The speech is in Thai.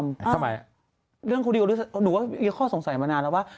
ทำไมเรื่องคุณดิวหนึ่งข้อสงสัยมานานแล้วว่า